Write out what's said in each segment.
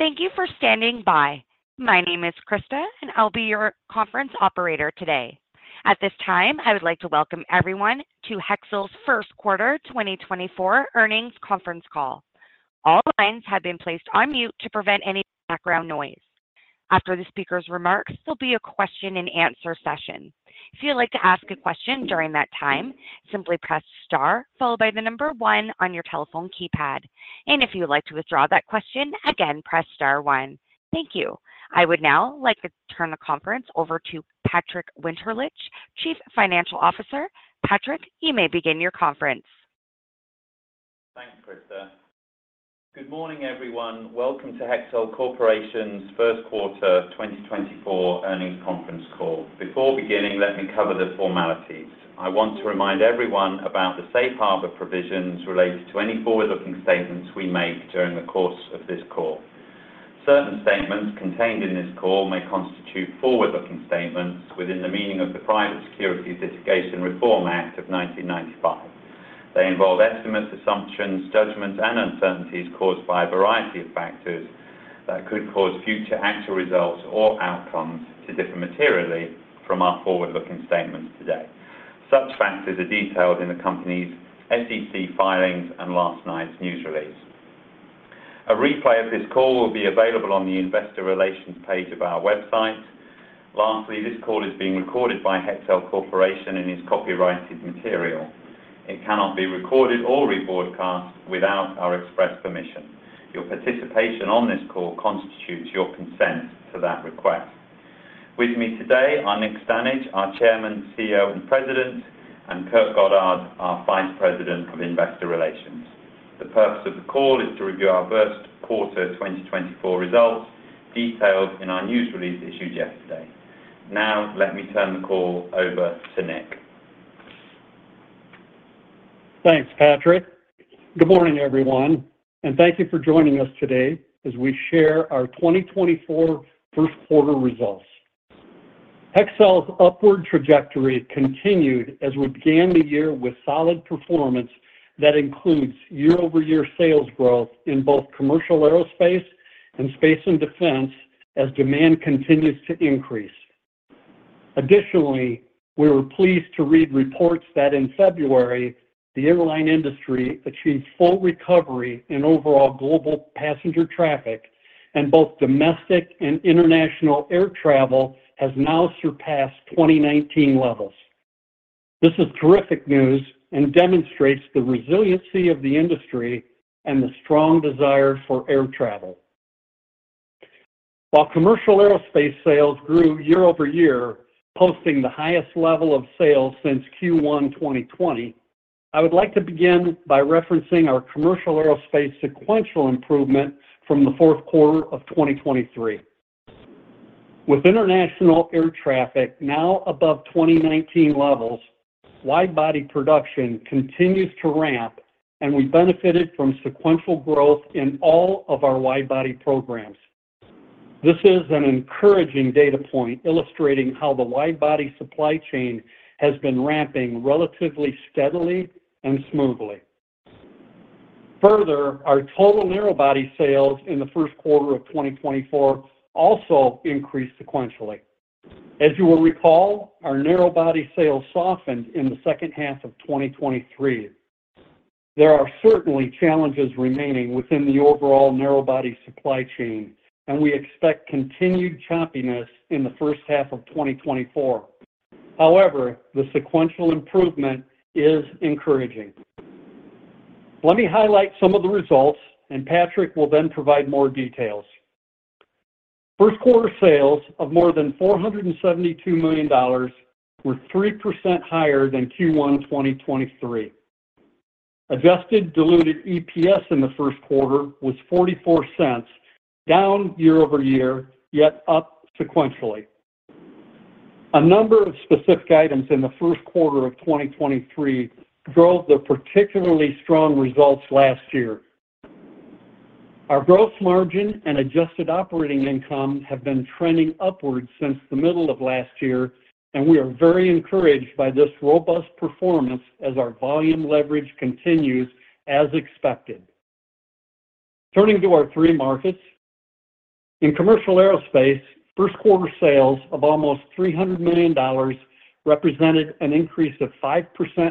Thank you for standing by. My name is Krista, and I'll be your conference operator today. At this time, I would like to welcome everyone to Hexcel's first quarter 2024 earnings conference call. All lines have been placed on mute to prevent any background noise. After the speaker's remarks, there'll be a question-and-answer session. If you'd like to ask a question during that time, simply press star followed by the number 1 on your telephone keypad. If you'd like to withdraw that question, again, press star 1. Thank you. I would now like to turn the conference over to Patrick Winterlich, Chief Financial Officer. Patrick, you may begin your conference. Thanks, Krista. Good morning, everyone. Welcome to Hexcel Corporation's first quarter 2024 earnings conference call. Before beginning, let me cover the formalities. I want to remind everyone about the safe harbor provisions related to any forward-looking statements we make during the course of this call. Certain statements contained in this call may constitute forward-looking statements within the meaning of the Private Securities Litigation Reform Act of 1995. They involve estimates, assumptions, judgments, and uncertainties caused by a variety of factors that could cause future actual results or outcomes to differ materially from our forward-looking statements today. Such factors are detailed in the company's SEC filings and last night's news release. A replay of this call will be available on the investor relations page of our website. Lastly, this call is being recorded by Hexcel Corporation and is copyrighted material. It cannot be recorded or rebroadcast without our express permission. Your participation on this call constitutes your consent to that request. With me today are Nick Stanage, our Chairman, CEO, and President, and Kurt Goddard, our Vice President of Investor Relations. The purpose of the call is to review our first quarter 2024 results detailed in our news release issued yesterday. Now, let me turn the call over to Nick. Thanks, Patrick. Good morning, everyone. Thank you for joining us today as we share our 2024 first quarter results. Hexcel's upward trajectory continued as we began the year with solid performance that includes year-over-year sales growth in both Commercial Aerospace and Space and Defense as demand continues to increase. Additionally, we were pleased to read reports that in February, the airline industry achieved full recovery in overall global passenger traffic, and both domestic and international air travel has now surpassed 2019 levels. This is terrific news and demonstrates the resiliency of the industry and the strong desire for air travel. While Commercial Aerospace sales grew year-over-year, posting the highest level of sales since Q1 2020, I would like to begin by referencing our Commercial Aerospace sequential improvement from the fourth quarter of 2023. With international air traffic now above 2019 levels, widebody production continues to ramp, and we benefited from sequential growth in all of our widebody programs. This is an encouraging data point illustrating how the widebody supply chain has been ramping relatively steadily and smoothly. Further, our total narrowbody sales in the first quarter of 2024 also increased sequentially. As you will recall, our narrowbody sales softened in the second half of 2023. There are certainly challenges remaining within the overall narrowbody supply chain, and we expect continued choppiness in the first half of 2024. However, the sequential improvement is encouraging. Let me highlight some of the results, and Patrick will then provide more details. First quarter sales of more than $472 million were 3% higher than Q1 2023. Adjusted Diluted EPS in the first quarter was $0.44, down year-over-year yet up sequentially. A number of specific items in the first quarter of 2023 drove the particularly strong results last year. Our gross margin and adjusted operating income have been trending upwards since the middle of last year, and we are very encouraged by this robust performance as our volume leverage continues as expected. Turning to our three markets. In Commercial Aerospace, first quarter sales of almost $300 million represented an increase of 5%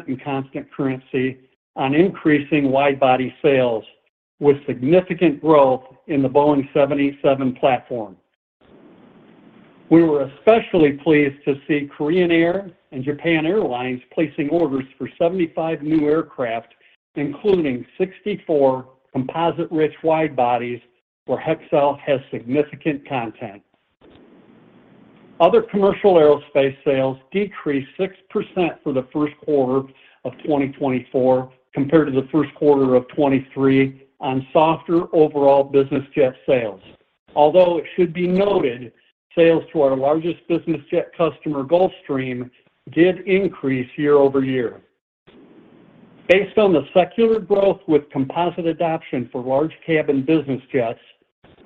in constant currency on increasing widebody sales, with significant growth in the Boeing 787 platform. We were especially pleased to see Korean Air and Japan Airlines placing orders for 75 new aircraft, including 64 composite-rich widebodies, where Hexcel has significant content. Other Commercial Aerospace sales decreased 6% for the first quarter of 2024 compared to the first quarter of 2023 on softer overall business jet sales. Although it should be noted, sales to our largest business jet customer, Gulfstream, did increase year-over-year. Based on the secular growth with composite adoption for large cabin business jets,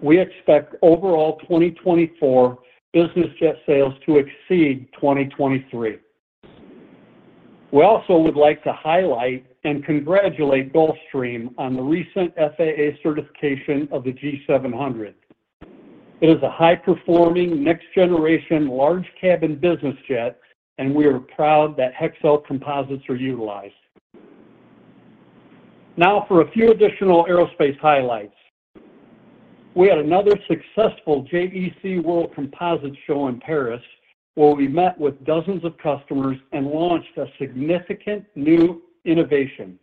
we expect overall 2024 business jet sales to exceed 2023. We also would like to highlight and congratulate Gulfstream on the recent FAA certification of the G700. It is a high-performing next-generation large cabin business jet, and we are proud that Hexcel composites are utilized. Now for a few additional aerospace highlights. We had another successful JEC World Composites Show in Paris, where we met with dozens of customers and launched a significant new innovation.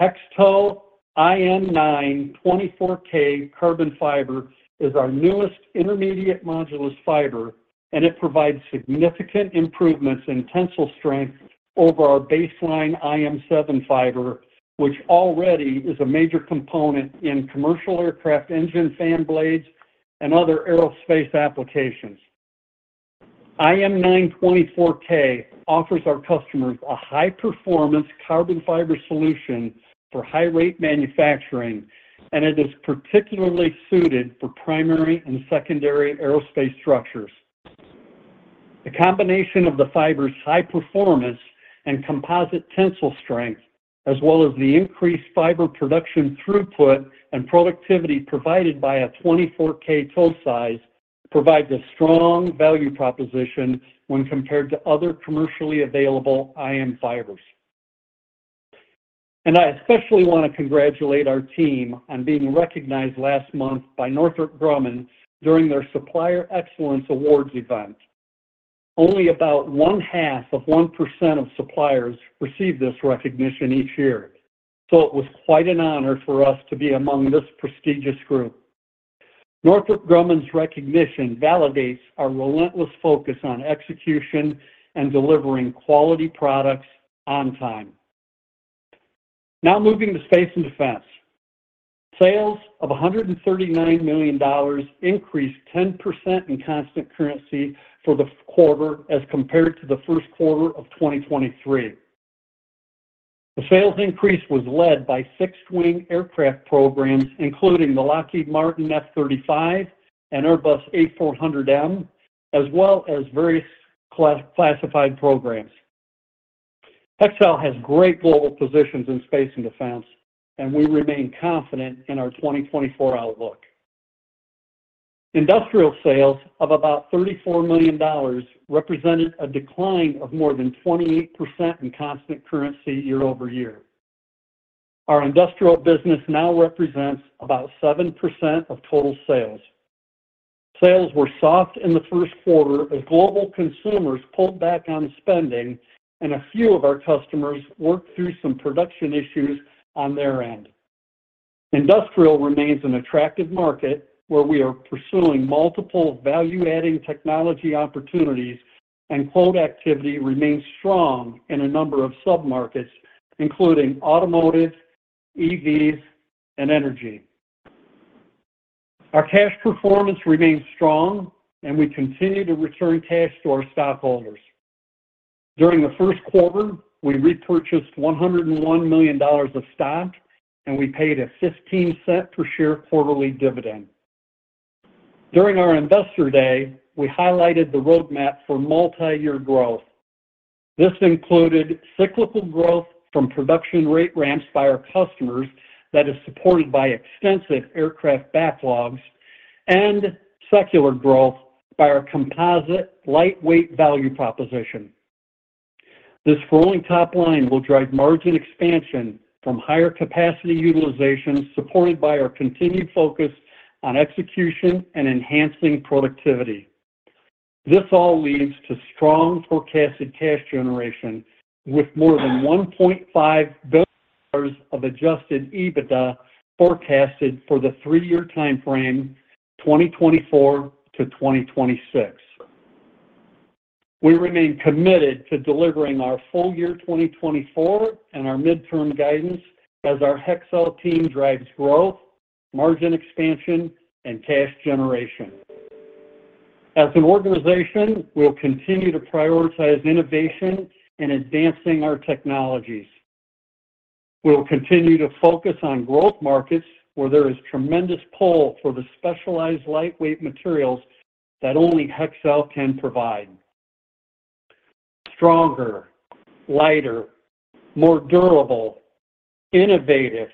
HexTow IM9 24K carbon fiber is our newest intermediate modulus fiber, and it provides significant improvements in tensile strength over our baseline IM7 fiber, which already is a major component in commercial aircraft engine fan blades and other aerospace applications. IM9 24K offers our customers a high-performance carbon fiber solution for high-rate manufacturing, and it is particularly suited for primary and secondary aerospace structures. The combination of the fiber's high performance and composite tensile strength, as well as the increased fiber production throughput and productivity provided by a 24K tow size, provides a strong value proposition when compared to other commercially available IM fibers. I especially want to congratulate our team on being recognized last month by Northrop Grumman during their Supplier Excellence Awards event. Only about 0.5% of suppliers receive this recognition each year, so it was quite an honor for us to be among this prestigious group. Northrop Grumman's recognition validates our relentless focus on execution and delivering quality products on time. Now moving to Space and Defense. Sales of $139 million increased 10% in constant currency for the quarter as compared to the first quarter of 2023. The sales increase was led by fixed-wing aircraft programs, including the Lockheed Martin F-35 and Airbus A400M, as well as various classified programs. Hexcel has great global positions in Space and Defense, and we remain confident in our 2024 outlook. Industrial sales of about $34 million represented a decline of more than 28% in constant currency year-over-year. Our industrial business now represents about 7% of total sales. Sales were soft in the first quarter as global consumers pulled back on spending and a few of our customers worked through some production issues on their end. Industrial remains an attractive market where we are pursuing multiple value-adding technology opportunities, and quote activity remains strong in a number of submarkets, including automotive, EVs, and energy. Our cash performance remains strong, and we continue to return cash to our stockholders. During the first quarter, we repurchased $101 million of stock, and we paid a $0.15 per share quarterly dividend. During our investor day, we highlighted the roadmap for multi-year growth. This included cyclical growth from production rate ramps by our customers that is supported by extensive aircraft backlogs, and secular growth by our composite lightweight value proposition. This growing top line will drive margin expansion from higher capacity utilization supported by our continued focus on execution and enhancing productivity. This all leads to strong forecasted cash generation with more than $1.5 billion of adjusted EBITDA forecasted for the three-year time frame 2024 to 2026. We remain committed to delivering our full year 2024 and our midterm guidance as our Hexcel team drives growth, margin expansion, and cash generation. As an organization, we'll continue to prioritize innovation in advancing our technologies. We'll continue to focus on growth markets where there is tremendous pull for the specialized lightweight materials that only Hexcel can provide. Stronger, lighter, more durable, innovative,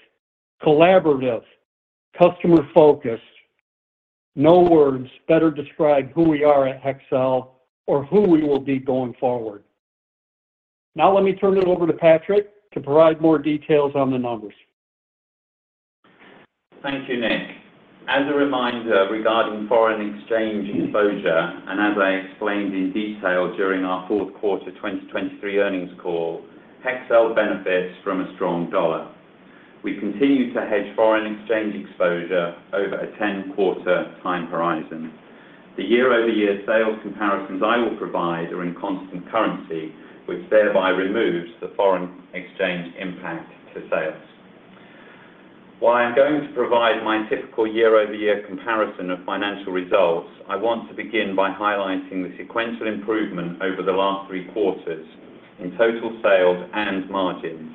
collaborative, customer-focused - no words better describe who we are at Hexcel or who we will be going forward. Now let me turn it over to Patrick to provide more details on the numbers. Thank you, Nick. As a reminder regarding foreign exchange exposure, and as I explained in detail during our fourth quarter 2023 earnings call, Hexcel benefits from a strong dollar. We continue to hedge foreign exchange exposure over a 10-quarter time horizon. The year-over-year sales comparisons I will provide are in constant currency, which thereby removes the foreign exchange impact to sales. While I'm going to provide my typical year-over-year comparison of financial results, I want to begin by highlighting the sequential improvement over the last three quarters in total sales and margins.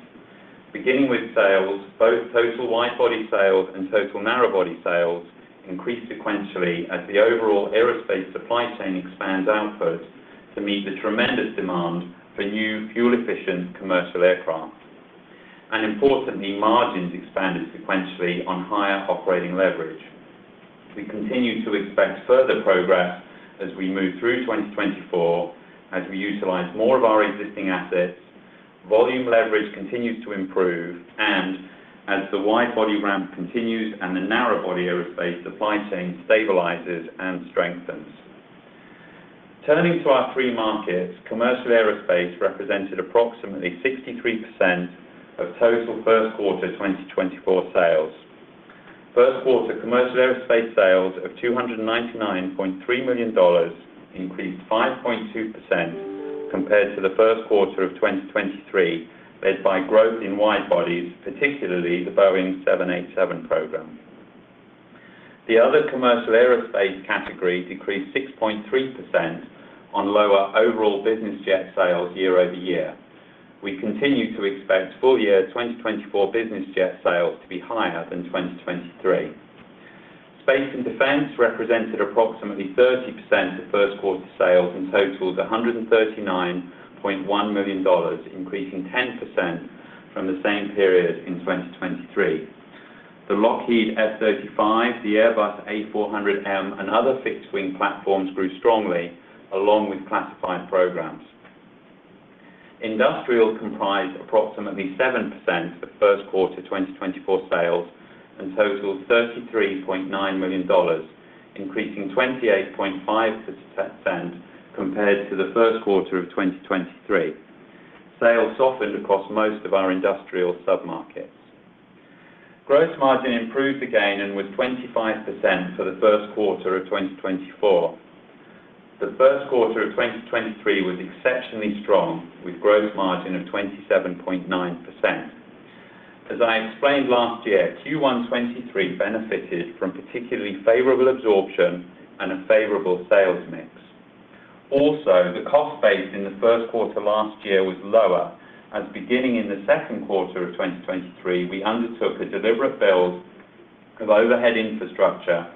Beginning with sales, both total widebody sales and total narrowbody sales increase sequentially as the overall aerospace supply chain expands output to meet the tremendous demand for new fuel-efficient commercial aircraft. Importantly, margins expanded sequentially on higher operating leverage. We continue to expect further progress as we move through 2024, as we utilize more of our existing assets, volume leverage continues to improve, and as the widebody ramp continues and the narrowbody aerospace supply chain stabilizes and strengthens. Turning to our three markets, Commercial Aerospace represented approximately 63% of total first quarter 2024 sales. First quarter Commercial Aerospace sales of $299.3 million increased 5.2% compared to the first quarter of 2023 led by growth in widebodies, particularly the Boeing 787 program. The other Commercial Aerospace category decreased 6.3% on lower overall business jet sales year over year. We continue to expect full-year 2024 business jet sales to be higher than 2023. Space and Defense represented approximately 30% of first quarter sales in total of $139.1 million, increasing 10% from the same period in 2023. The Lockheed F-35, the Airbus A400M, and other fixed-wing platforms grew strongly along with classified programs. Industrial comprised approximately 7% of first quarter 2024 sales and totaled $33.9 million, increasing 28.5% compared to the first quarter of 2023. Sales softened across most of our industrial submarkets. Gross margin improved again and was 25% for the first quarter of 2024. The first quarter of 2023 was exceptionally strong with gross margin of 27.9%. As I explained last year, Q1 2023 benefited from particularly favorable absorption and a favorable sales mix. Also, the cost base in the first quarter last year was lower, as beginning in the second quarter of 2023, we undertook a deliberate build of overhead infrastructure,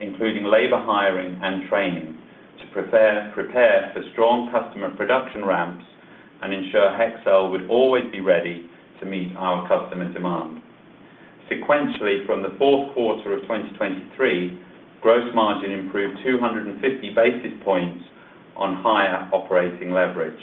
including labor hiring and training, to prepare for strong customer production ramps and ensure Hexcel would always be ready to meet our customer demand. Sequentially, from the fourth quarter of 2023, gross margin improved 250 basis points on higher operating leverage.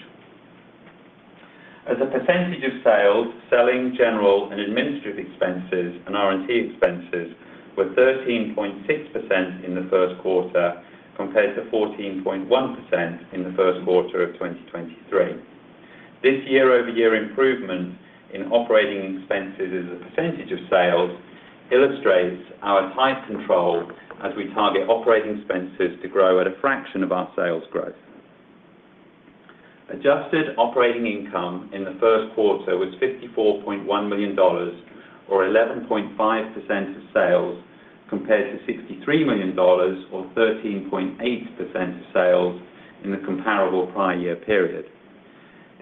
As a percentage of sales, selling, general, and administrative expenses, and R&T expenses were 13.6% in the first quarter compared to 14.1% in the first quarter of 2023. This year-over-year improvement in operating expenses as a percentage of sales illustrates our tight control as we target operating expenses to grow at a fraction of our sales growth. Adjusted operating income in the first quarter was $54.1 million, or 11.5% of sales, compared to $63 million, or 13.8% of sales, in the comparable prior year period.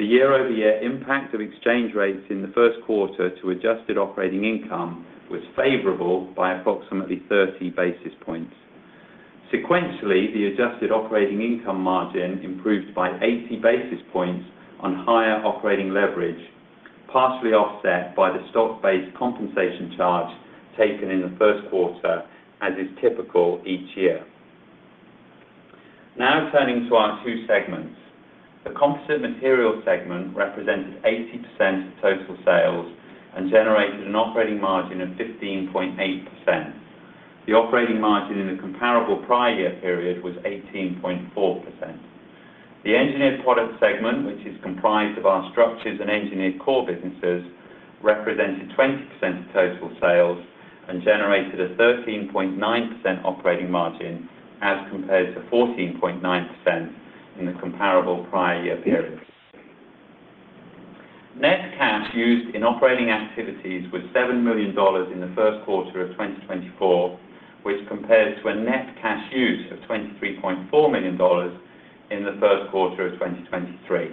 The year-over-year impact of exchange rates in the first quarter to adjusted operating income was favorable by approximately 30 basis points. Sequentially, the adjusted operating income margin improved by 80 basis points on higher operating leverage, partially offset by the stock-based compensation charge taken in the first quarter, as is typical each year. Now turning to our two segments. The Composite Material Segment represented 80% of total sales and generated an operating margin of 15.8%. The operating margin in the comparable prior year period was 18.4%. The Engineered Products Segment, which is comprised of our structures and engineered core businesses, represented 20% of total sales and generated a 13.9% operating margin as compared to 14.9% in the comparable prior year period. Net cash used in operating activities was $7 million in the first quarter of 2024, which compares to a net cash use of $23.4 million in the first quarter of 2023.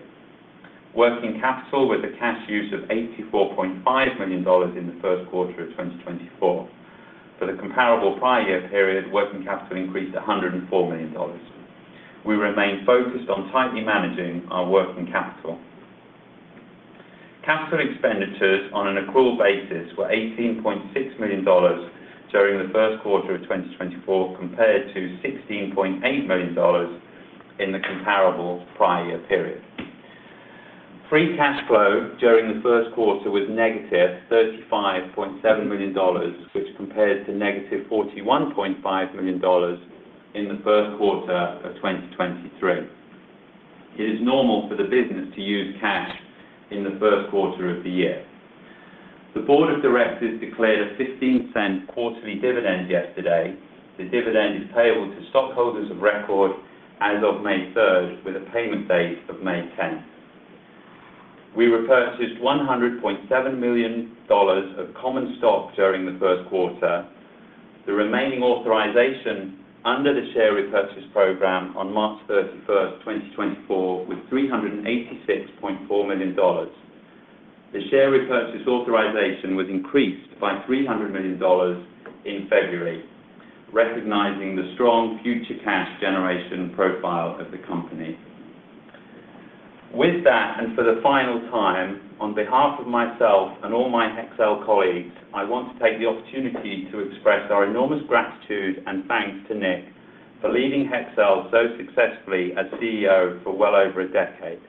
Working capital was a cash use of $84.5 million in the first quarter of 2024. For the comparable prior year period, working capital increased $104 million. We remain focused on tightly managing our working capital. Capital expenditures on an accrual basis were $18.6 million during the first quarter of 2024 compared to $16.8 million in the comparable prior year period. Free cash flow during the first quarter was -$35.7 million, which compares to -$41.5 million in the first quarter of 2023. It is normal for the business to use cash in the first quarter of the year. The Board of Directors declared a $0.15 quarterly dividend yesterday. The dividend is payable to stockholders of record as of May 3rd, with a payment date of May 10th. We repurchased $100.7 million of common stock during the first quarter. The remaining authorization under the share repurchase program on March 31st, 2024, was $386.4 million. The share repurchase authorization was increased by $300 million in February, recognizing the strong future cash generation profile of the company. With that, and for the final time, on behalf of myself and all my Hexcel colleagues, I want to take the opportunity to express our enormous gratitude and thanks to Nick for leading Hexcel so successfully as CEO for well over a decade.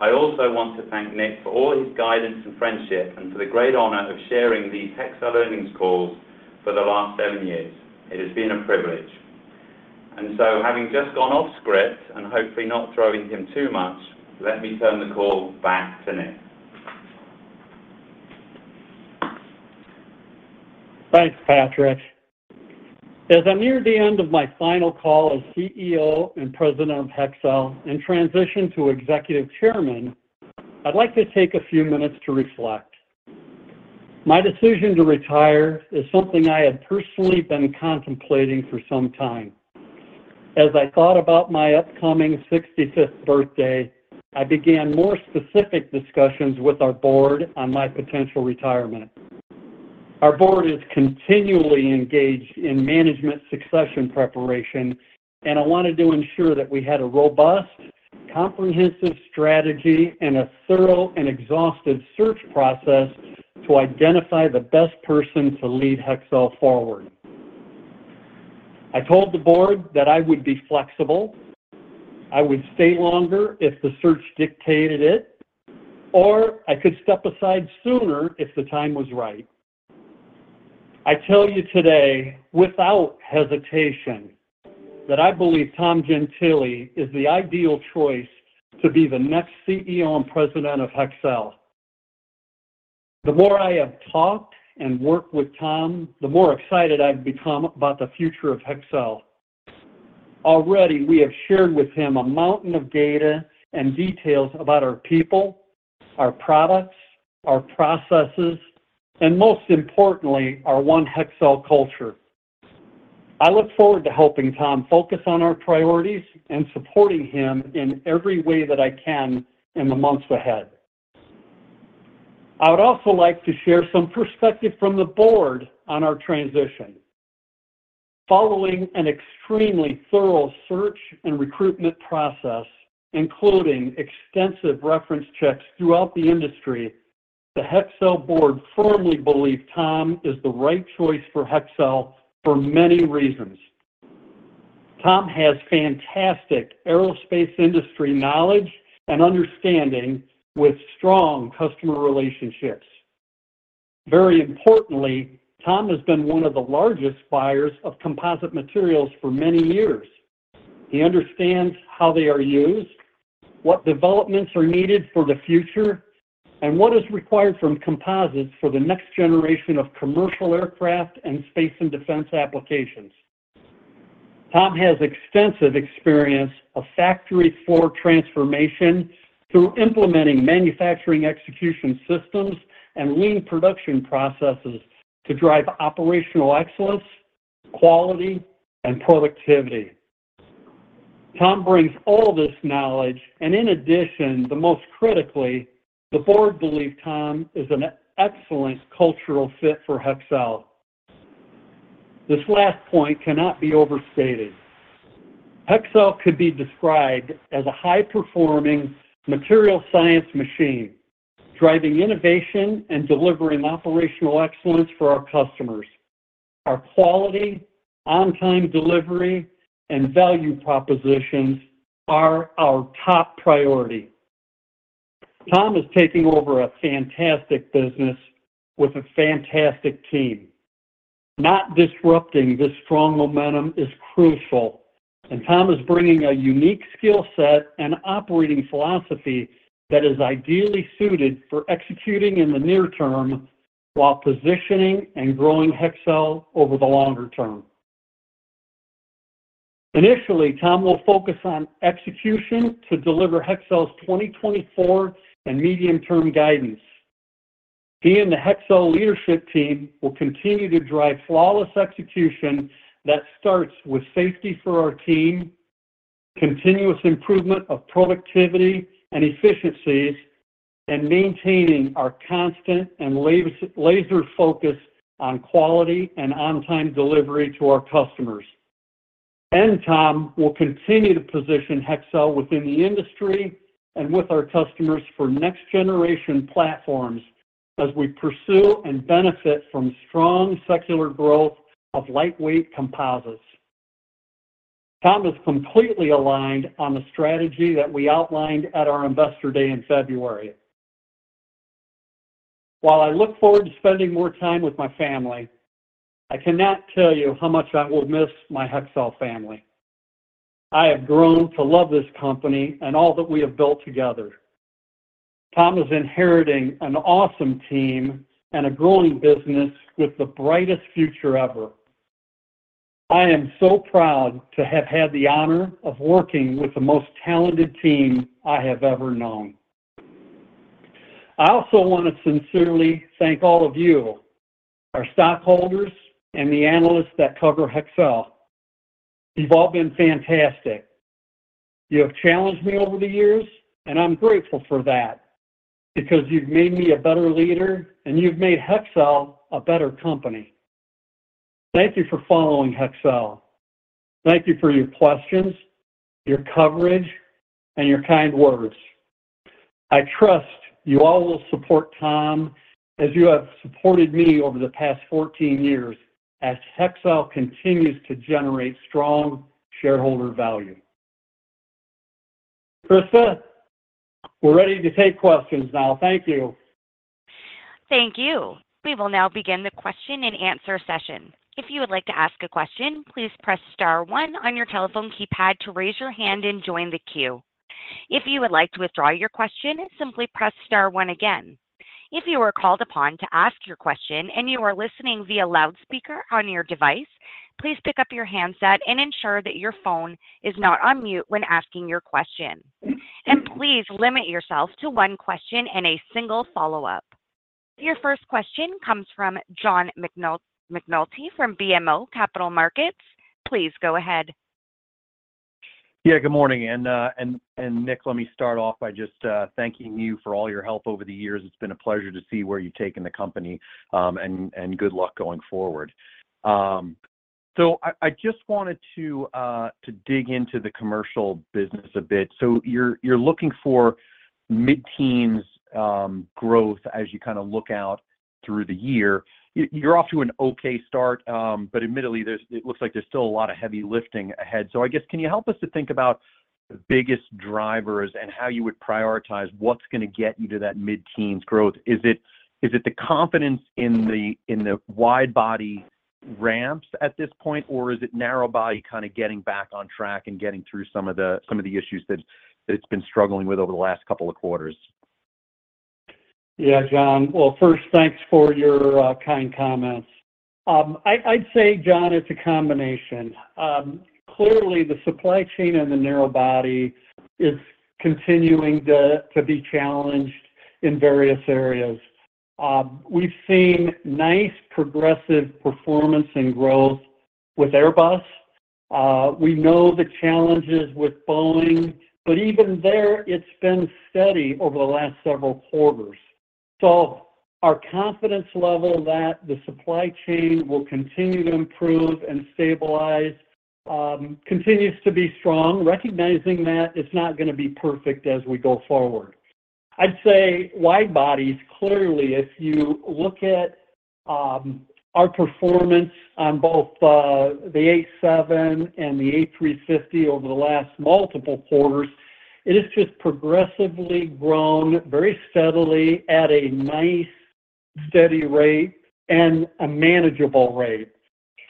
I also want to thank Nick for all his guidance and friendship and for the great honour of sharing these Hexcel earnings calls for the last seven years. It has been a privilege. And so having just gone off-script and hopefully not throwing him too much, let me turn the call back to Nick. Thanks, Patrick. As I near the end of my final call as CEO and President of Hexcel and transition to Executive Chairman, I'd like to take a few minutes to reflect. My decision to retire is something I had personally been contemplating for some time. As I thought about my upcoming 65th birthday, I began more specific discussions with our board on my potential retirement. Our board is continually engaged in management succession preparation, and I wanted to ensure that we had a robust, comprehensive strategy, and a thorough and exhaustive search process to identify the best person to lead Hexcel forward. I told the board that I would be flexible. I would stay longer if the search dictated it, or I could step aside sooner if the time was right. I tell you today without hesitation that I believe Tom Gentile is the ideal choice to be the next CEO and president of Hexcel. The more I have talked and worked with Tom, the more excited I've become about the future of Hexcel. Already, we have shared with him a mountain of data and details about our people, our products, our processes, and most importantly, our One Hexcel culture. I look forward to helping Tom focus on our priorities and supporting him in every way that I can in the months ahead. I would also like to share some perspective from the board on our transition. Following an extremely thorough search and recruitment process, including extensive reference checks throughout the industry, the Hexcel board firmly believes Tom is the right choice for Hexcel for many reasons. Tom has fantastic aerospace industry knowledge and understanding with strong customer relationships. Very importantly, Tom has been one of the largest buyers of composite materials for many years. He understands how they are used, what developments are needed for the future, and what is required from composites for the next generation of commercial aircraft and Space and Defense applications. Tom has extensive experience of factory floor transformation through implementing manufacturing execution systems and lean production processes to drive operational excellence, quality, and productivity. Tom brings all this knowledge and, in addition, the most critically, the board believes Tom is an excellent cultural fit for Hexcel. This last point cannot be overstated. Hexcel could be described as a high-performing material science machine, driving innovation and delivering operational excellence for our customers. Our quality, on-time delivery, and value propositions are our top priority. Tom is taking over a fantastic business with a fantastic team. Not disrupting this strong momentum is crucial, and Tom is bringing a unique skill set and operating philosophy that is ideally suited for executing in the near term while positioning and growing Hexcel over the longer term. Initially, Tom will focus on execution to deliver Hexcel's 2024 and medium-term guidance. He and the Hexcel leadership team will continue to drive flawless execution that starts with safety for our team, continuous improvement of productivity and efficiencies, and maintaining our constant and laser-focused on quality and on-time delivery to our customers. Tom will continue to position Hexcel within the industry and with our customers for next-generation platforms as we pursue and benefit from strong secular growth of lightweight composites. Tom is completely aligned on the strategy that we outlined at our investor day in February. While I look forward to spending more time with my family, I cannot tell you how much I will miss my Hexcel family. I have grown to love this company and all that we have built together. Tom is inheriting an awesome team and a growing business with the brightest future ever. I am so proud to have had the honor of working with the most talented team I have ever known. I also want to sincerely thank all of you, our stockholders, and the analysts that cover Hexcel. You've all been fantastic. You have challenged me over the years, and I'm grateful for that because you've made me a better leader, and you've made Hexcel a better company. Thank you for following Hexcel. Thank you for your questions, your coverage, and your kind words. I trust you all will support Tom as you have supported me over the past 14 years as Hexcel continues to generate strong shareholder value. Krista, we're ready to take questions now. Thank you. Thank you. We will now begin the question-and-answer session. If you would like to ask a question, please press star 1 on your telephone keypad to raise your hand and join the queue. If you would like to withdraw your question, simply press star 1 again. If you are called upon to ask your question and you are listening via loudspeaker on your device, please pick up your handset and ensure that your phone is not on mute when asking your question. And please limit yourself to one question and a single follow-up. Your first question comes from John McNulty from BMO Capital Markets. Please go ahead. Yeah, good morning. And, Nick, let me start off by just thanking you for all your help over the years. It's been a pleasure to see where you've taken the company, and good luck going forward. So I just wanted to dig into the commercial business a bit. So you're looking for mid-teens growth as you kind of look out through the year. You're off to an okay start, but admittedly, it looks like there's still a lot of heavy lifting ahead. So I guess, can you help us to think about the biggest drivers and how you would prioritize what's going to get you to that mid-teens growth? Is it the confidence in the wide-body ramps at this point, or is it narrow-body kind of getting back on track and getting through some of the issues that it's been struggling with over the last couple of quarters? Yeah, John. Well, first, thanks for your kind comments. I'd say, John, it's a combination. Clearly, the supply chain and the narrowbody is continuing to be challenged in various areas. We've seen nice progressive performance and growth with Airbus. We know the challenges with Boeing, but even there, it's been steady over the last several quarters. So our confidence level that the supply chain will continue to improve and stabilize continues to be strong, recognizing that it's not going to be perfect as we go forward. I'd say widebodies, clearly, if you look at our performance on both the 787 and the A350 over the last multiple quarters, it has just progressively grown very steadily at a nice, steady rate and a manageable rate.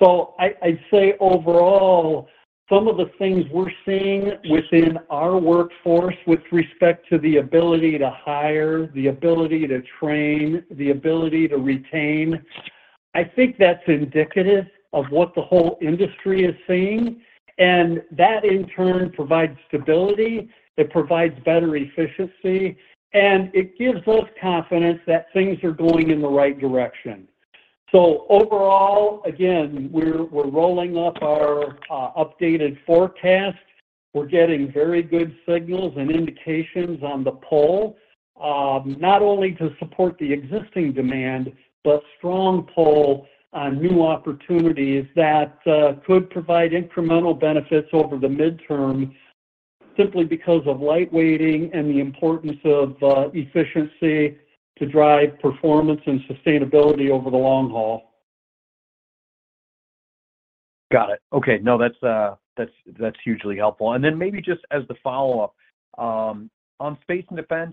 So I'd say overall, some of the things we're seeing within our workforce with respect to the ability to hire, the ability to train, the ability to retain, I think that's indicative of what the whole industry is seeing. And that, in turn, provides stability. It provides better efficiency, and it gives us confidence that things are going in the right direction. So overall, again, we're rolling up our updated forecast. We're getting very good signals and indications on the pull, not only to support the existing demand but strong pull on new opportunities that could provide incremental benefits over the midterm simply because of lightweighting and the importance of efficiency to drive performance and sustainability over the long haul. Got it. Okay. No, that's hugely helpful. Then maybe just as the follow-up, on space and defense,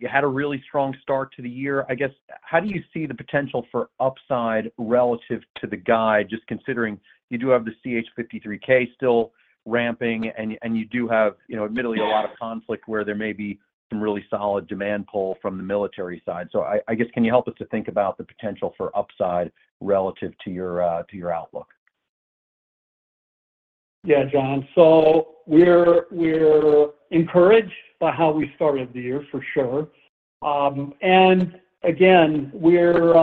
you had a really strong start to the year. I guess, how do you see the potential for upside relative to the guide, just considering you do have the CH-53K still ramping, and you do have, admittedly, a lot of conflict where there may be some really solid demand pull from the military side? So I guess, can you help us to think about the potential for upside relative to your outlook? Yeah, John. We're encouraged by how we started the year, for sure. Again, we're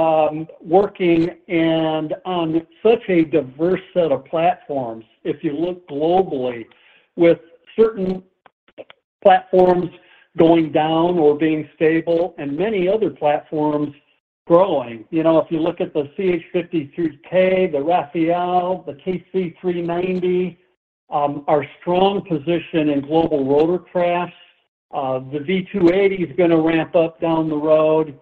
working on such a diverse set of platforms, if you look globally, with certain platforms going down or being stable and many other platforms growing. If you look at the CH-53K, the Rafale, the KC-390, our strong position in global rotorcraft. The V-280 is going to ramp up down the road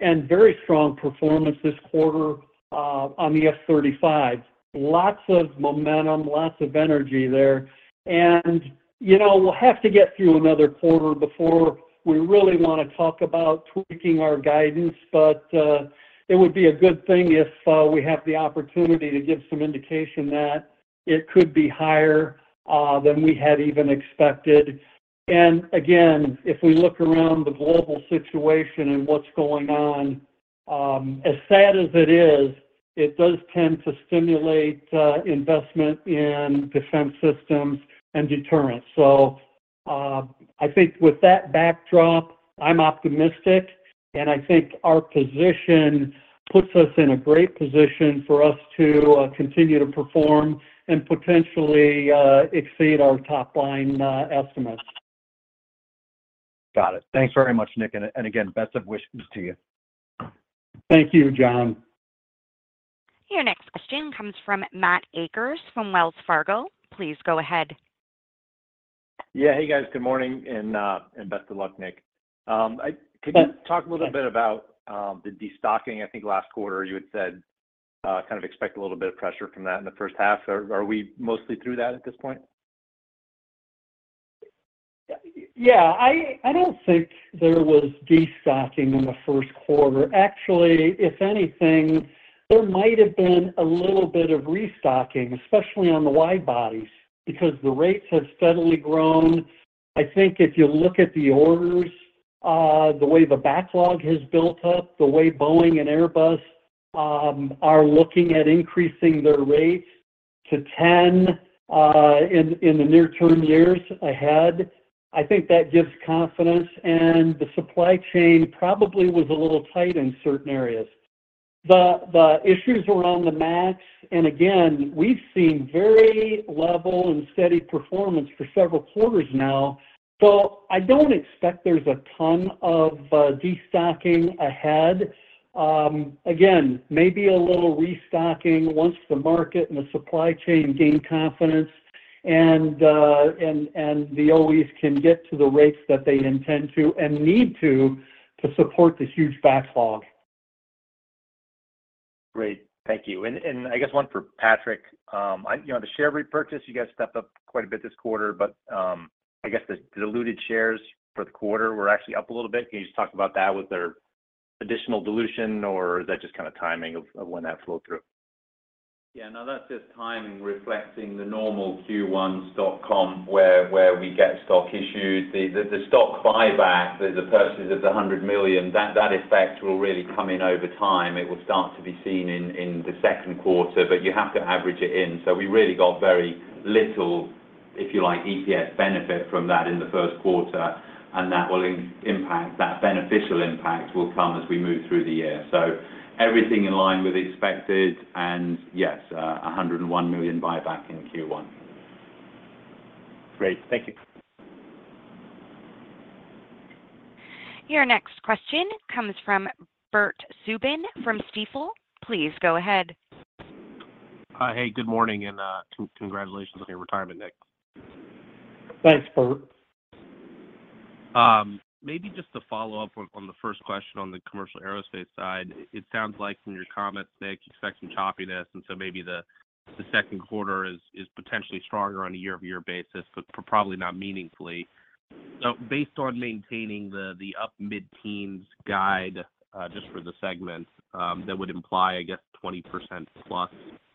and very strong performance this quarter on the F-35. Lots of momentum, lots of energy there. We'll have to get through another quarter before we really want to talk about tweaking our guidance, but it would be a good thing if we have the opportunity to give some indication that it could be higher than we had even expected. And again, if we look around the global situation and what's going on, as sad as it is, it does tend to stimulate investment in defense systems and deterrents. So I think with that backdrop, I'm optimistic, and I think our position puts us in a great position for us to continue to perform and potentially exceed our top-line estimates. Got it. Thanks very much, Nick. Again, best of wishes to you. Thank you, John. Your next question comes from Matt Akers from Wells Fargo. Please go ahead. Yeah. Hey, guys. Good morning. Best of luck, Nick. Could you talk a little bit about the destocking? I think last quarter, you had said kind of expect a little bit of pressure from that in the first half. Are we mostly through that at this point? Yeah. I don't think there was destocking in the first quarter. Actually, if anything, there might have been a little bit of restocking, especially on the wide bodies because the rates have steadily grown. I think if you look at the orders, the way the backlog has built up, the way Boeing and Airbus are looking at increasing their rates to 10 in the near-term years ahead, I think that gives confidence. And the supply chain probably was a little tight in certain areas. The issues around the MAX and again, we've seen very level and steady performance for several quarters now. So I don't expect there's a ton of destocking ahead. Again, maybe a little restocking once the market and the supply chain gain confidence and the OEs can get to the rates that they intend to and need to to support the huge backlog. Great. Thank you. I guess one for Patrick. The share repurchase, you guys stepped up quite a bit this quarter, but I guess the diluted shares for the quarter were actually up a little bit. Can you just talk about that with their additional dilution, or is that just kind of timing of when that flowed through? Yeah. Now, that's just time reflecting the normal Q1 stock comp where we get stock issued. The stock buyback, the purchase of the $100 million, that effect will really come in over time. It will start to be seen in the second quarter, but you have to average it in. So we really got very little, if you like, EPS benefit from that in the first quarter, and that beneficial impact will come as we move through the year. So everything in line with expected, and yes, $101 million buyback in Q1. Great. Thank you. Your next question comes from Bert Subin from Stifel. Please go ahead. Hi. Hey, good morning. Congratulations on your retirement, Nick. Thanks, Bert. Maybe just to follow up on the first question on the Commercial Aerospace side, it sounds like from your comments, Nick, you expect some choppiness, and so maybe the second quarter is potentially stronger on a year-over-year basis, but probably not meaningfully. So based on maintaining the up mid-teens guide just for the segment that would imply, I guess, 20%-plus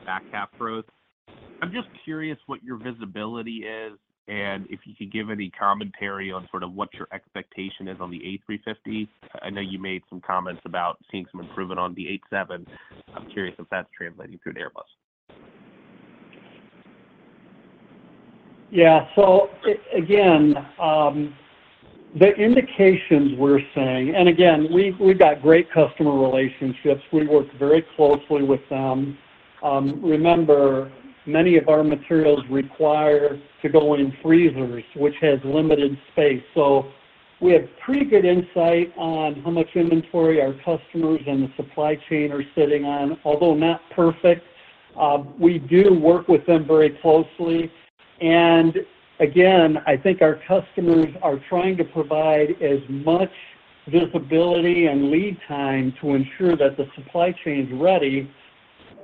backlog growth, I'm just curious what your visibility is and if you could give any commentary on sort of what your expectation is on the A350. I know you made some comments about seeing some improvement on the 787. I'm curious if that's translating through to Airbus. Yeah. So again, the indications we're seeing and again, we've got great customer relationships. We work very closely with them. Remember, many of our materials require to go in freezers, which has limited space. So we have pretty good insight on how much inventory our customers and the supply chain are sitting on, although not perfect. We do work with them very closely. And again, I think our customers are trying to provide as much visibility and lead time to ensure that the supply chain is ready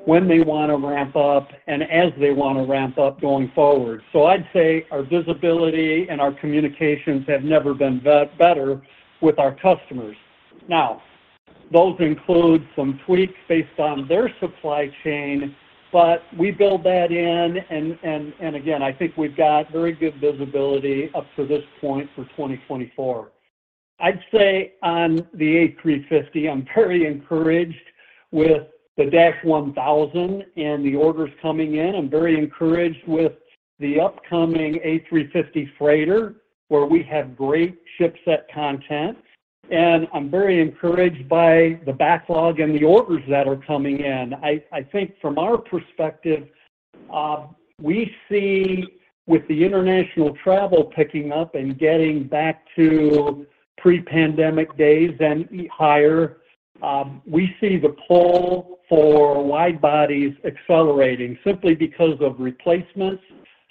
when they want to ramp up and as they want to ramp up going forward. So I'd say our visibility and our communications have never been better with our customers. Now, those include some tweaks based on their supply chain, but we build that in. And again, I think we've got very good visibility up to this point for 2024. I'd say on the A350, I'm very encouraged with the Dash 1000 and the orders coming in. I'm very encouraged with the upcoming A350 freighter where we have great ship set content. And I'm very encouraged by the backlog and the orders that are coming in. I think from our perspective, we see with the international travel picking up and getting back to pre-pandemic days and higher, we see the pull for wide bodies accelerating simply because of replacements,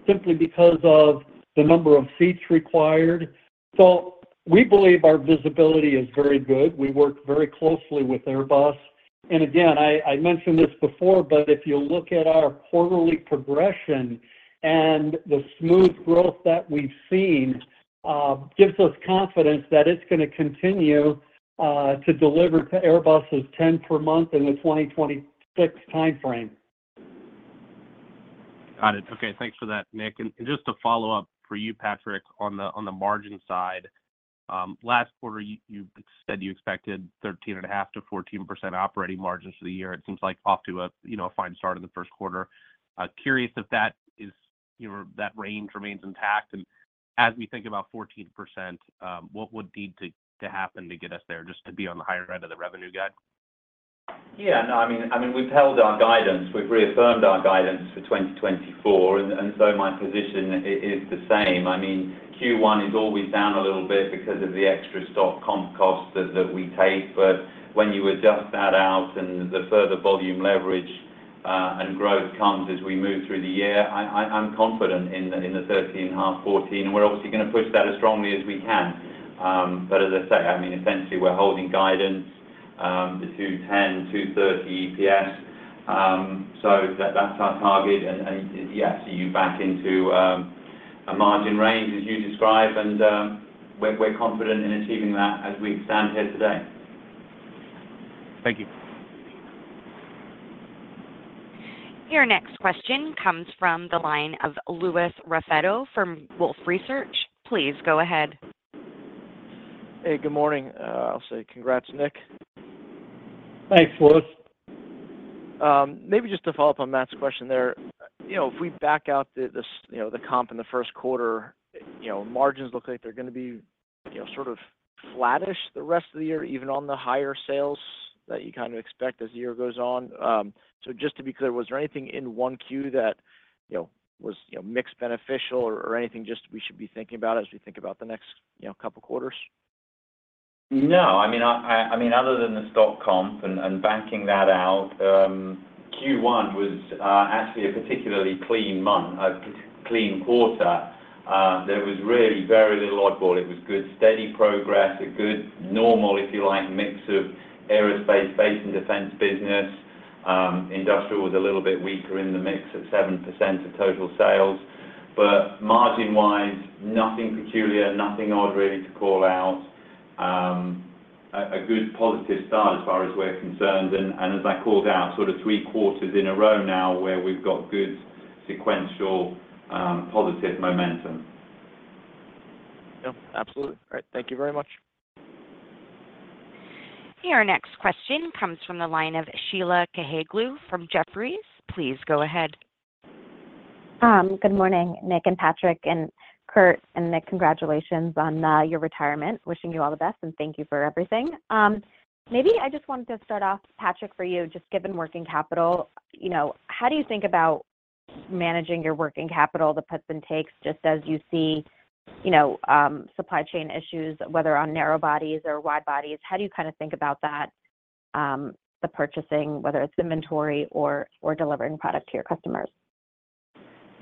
simply because of the number of seats required. So we believe our visibility is very good. We work very closely with Airbus. And again, I mentioned this before, but if you look at our quarterly progression and the smooth growth that we've seen, it gives us confidence that it's going to continue to deliver to Airbus's 10 per month in the 2026 timeframe. Got it. Okay. Thanks for that, Nick. And just to follow up for you, Patrick, on the margin side, last quarter, you said you expected 13.5%-14% operating margins for the year. It seems like off to a fine start in the first quarter. Curious if that range remains intact. And as we think about 14%, what would need to happen to get us there just to be on the higher end of the revenue guide? Yeah. No, I mean, we've held our guidance. We've reaffirmed our guidance for 2024, and so my position is the same. I mean, Q1 is always down a little bit because of the extra stock comp costs that we take. But when you adjust that out and the further volume leverage and growth comes as we move through the year, I'm confident in the 13.5-14. And we're obviously going to push that as strongly as we can. But as I say, I mean, essentially, we're holding guidance to $10.23 EPS. So that's our target. And yes, you're back into a margin range as you describe, and we're confident in achieving that as we stand here today. Thank you. Your next question comes from the line of Louis Raffetto from Wolfe Research. Please go ahead. Hey, good morning. I'll say congrats, Nick. Thanks, Louis. Maybe just to follow up on Matt's question there, if we back out the comp in the first quarter, margins look like they're going to be sort of flattish the rest of the year, even on the higher sales that you kind of expect as the year goes on. So just to be clear, was there anything in 1Q that was mixed beneficial or anything just we should be thinking about as we think about the next couple of quarters? No. I mean, other than the stock comp and backing that out, Q1 was actually a particularly clean month, a clean quarter. There was really very little oddball. It was good steady progress, a good normal, if you like, mix of aerospace, space, and defense business. Industrial was a little bit weaker in the mix at 7% of total sales. But margin-wise, nothing peculiar, nothing odd really to call out. A good positive start as far as we're concerned. And as I called out, sort of three quarters in a row now where we've got good sequential positive momentum. Yep. Absolutely. All right. Thank you very much. Your next question comes from the line of Sheila Kahyaoglu from Jefferies. Please go ahead. Good morning, Nick and Patrick and Kurt. And Nick, congratulations on your retirement. Wishing you all the best, and thank you for everything. Maybe I just wanted to start off, Patrick, for you, just given working capital, how do you think about managing your working capital, the puts and takes, just as you see supply chain issues, whether on narrow bodies or wide bodies? How do you kind of think about the purchasing, whether it's inventory or delivering product to your customers?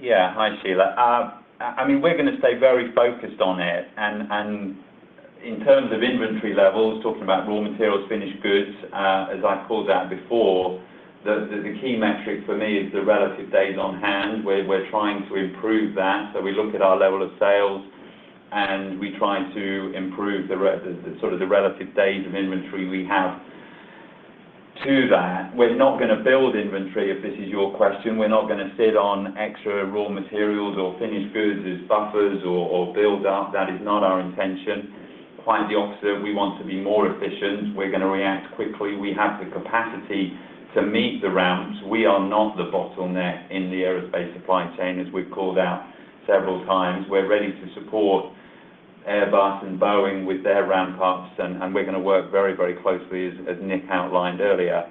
Yeah. Hi, Sheila. I mean, we're going to stay very focused on it. And in terms of inventory levels, talking about raw materials, finished goods, as I called out before, the key metric for me is the relative days on hand. We're trying to improve that. So we look at our level of sales, and we try to improve sort of the relative days of inventory we have to that. We're not going to build inventory, if this is your question. We're not going to sit on extra raw materials or finished goods as buffers or build up. That is not our intention. Quite the opposite. We want to be more efficient. We're going to react quickly. We have the capacity to meet the ramps. We are not the bottleneck in the aerospace supply chain, as we've called out several times. We're ready to support Airbus and Boeing with their ramp-ups, and we're going to work very, very closely, as Nick outlined earlier.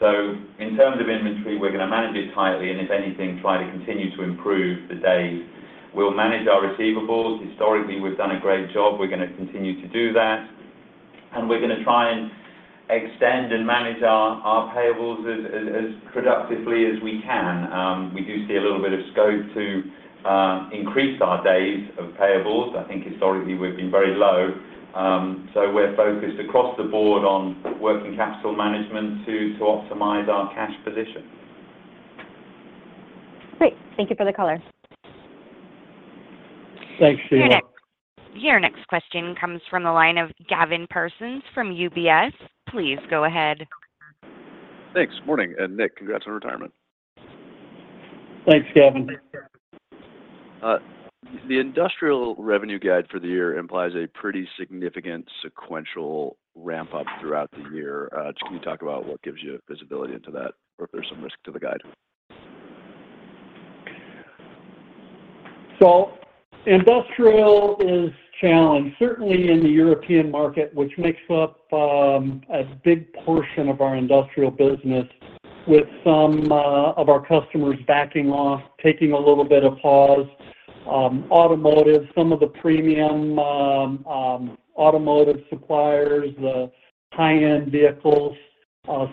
So in terms of inventory, we're going to manage it tightly and, if anything, try to continue to improve the days. We'll manage our receivables. Historically, we've done a great job. We're going to continue to do that. We're going to try and extend and manage our payables as productively as we can. We do see a little bit of scope to increase our days of payables. I think historically, we've been very low. So we're focused across the board on working capital management to optimize our cash position. Great. Thank you for the caller. Thanks, Sheila. Your next question comes from the line of Gavin Parsons from UBS. Please go ahead. Thanks. Good morning. Nick, congrats on retirement. Thanks, Gavin. The industrial revenue guide for the year implies a pretty significant sequential ramp-up throughout the year. Can you talk about what gives you visibility into that or if there's some risk to the guide? So industrial is challenged, certainly in the European market, which makes up a big portion of our industrial business, with some of our customers backing off, taking a little bit of pause. Automotive, some of the premium automotive suppliers, the high-end vehicles,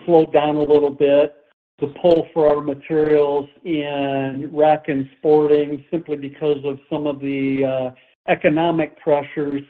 slowed down a little bit. The pull for our materials in rec and sporting, simply because of some of the economic pressures,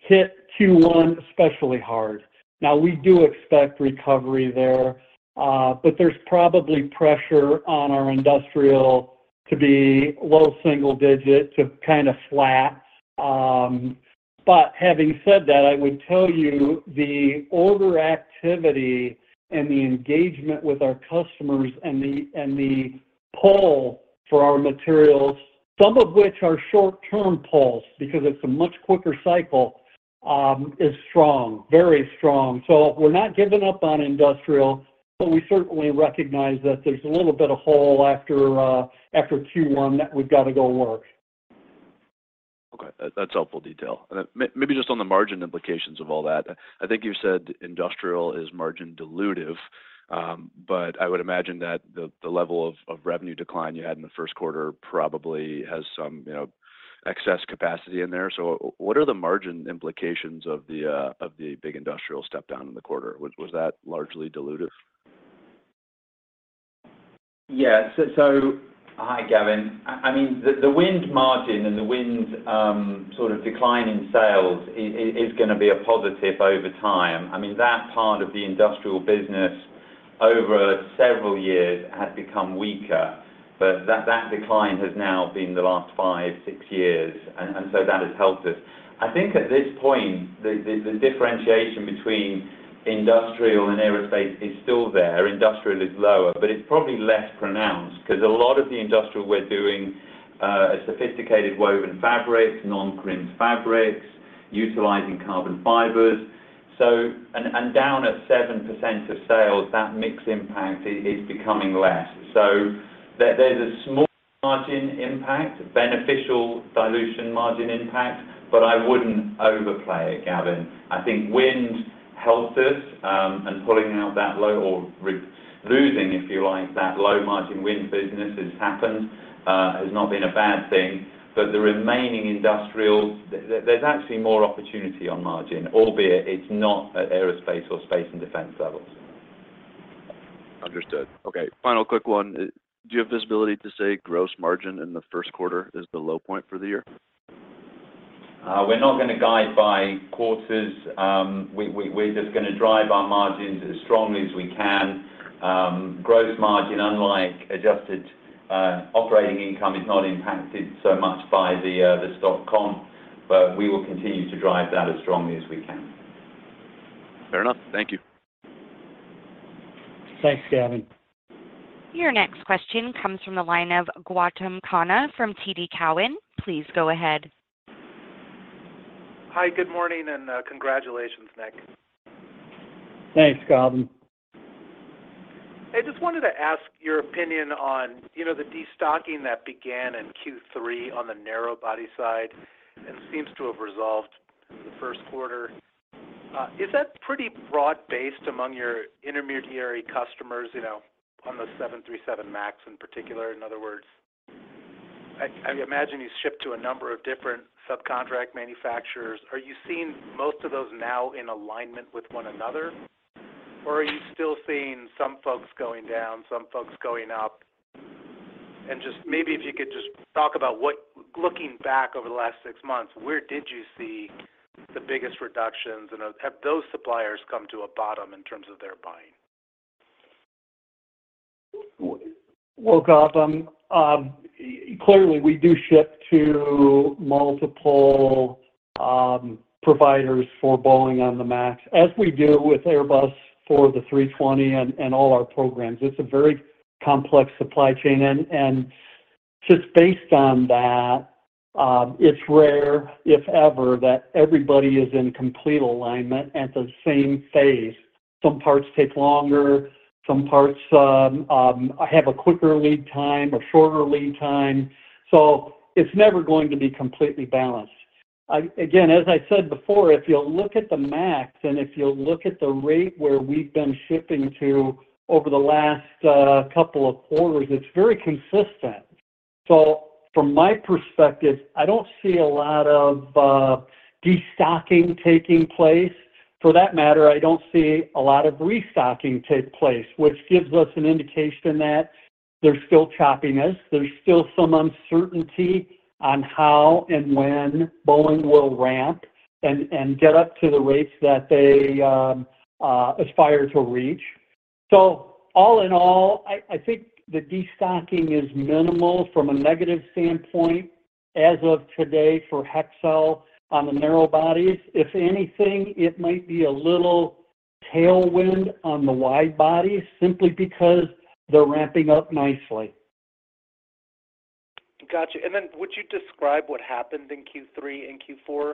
hit Q1 especially hard. Now, we do expect recovery there, but there's probably pressure on our industrial to be low single digit, to kind of flat. But having said that, I would tell you the order activity and the engagement with our customers and the pull for our materials, some of which are short-term pulls because it's a much quicker cycle, is strong, very strong. So we're not giving up on Industrial, but we certainly recognize that there's a little bit of hole after Q1 that we've got to go work. Okay. That's helpful detail. And maybe just on the margin implications of all that, I think you said industrial is margin dilutive, but I would imagine that the level of revenue decline you had in the first quarter probably has some excess capacity in there. So what are the margin implications of the big industrial step-down in the quarter? Was that largely dilutive? Yes. So hi, Gavin. I mean, the wind margin and the wind sort of decline in sales is going to be a positive over time. I mean, that part of the industrial business over several years had become weaker, but that decline has now been the last 5, 6 years, and so that has helped us. I think at this point, the differentiation between industrial and aerospace is still there. Industrial is lower, but it's probably less pronounced because a lot of the industrial we're doing are sophisticated woven fabrics, non-crimp fabrics, utilizing carbon fibers. And down at 7% of sales, that mixed impact is becoming less. So there's a small margin impact, beneficial dilution margin impact, but I wouldn't overplay it, Gavin. I think wind helped us, and pulling out that low or losing, if you like, that low-margin wind business has happened. It's not been a bad thing. But the remaining industrial, there's actually more opportunity on margin, albeit it's not at aerospace or Space and Defense levels. Understood. Okay. Final quick one. Do you have visibility to say gross margin in the first quarter is the low point for the year? We're not going to guide by quarters. We're just going to drive our margins as strongly as we can. Gross margin, unlike adjusted operating income, is not impacted so much by the stock comp, but we will continue to drive that as strongly as we can. Fair enough. Thank you. Thanks, Gavin. Your next question comes from the line of Gautam Khanna from TD Cowen. Please go ahead. Hi. Good morning and congratulations, Nick. Thanks, Gautam. Hey, I just wanted to ask your opinion on the destocking that began in Q3 on the narrow body side and seems to have resolved in the first quarter. Is that pretty broad-based among your intermediary customers on the 737 MAX in particular? In other words, I imagine you ship to a number of different subcontract manufacturers. Are you seeing most of those now in alignment with one another, or are you still seeing some folks going down, some folks going up? And just maybe if you could just talk about what looking back over the last six months, where did you see the biggest reductions, and have those suppliers come to a bottom in terms of their buying? Well, Gautam, clearly, we do ship to multiple providers for Boeing on the MAX, as we do with Airbus for the 320 and all our programs. It's a very complex supply chain. And just based on that, it's rare, if ever, that everybody is in complete alignment at the same phase. Some parts take longer. Some parts have a quicker lead time or shorter lead time. So it's never going to be completely balanced. Again, as I said before, if you'll look at the MAX and if you'll look at the rate where we've been shipping to over the last couple of quarters, it's very consistent. So from my perspective, I don't see a lot of destocking taking place. For that matter, I don't see a lot of restocking take place, which gives us an indication that there's still choppiness. There's still some uncertainty on how and when Boeing will ramp and get up to the rates that they aspire to reach. So all in all, I think the destocking is minimal from a negative standpoint as of today for Hexcel on the narrow bodies. If anything, it might be a little tailwind on the wide bodies simply because they're ramping up nicely. Gotcha. And then would you describe what happened in Q3 and Q4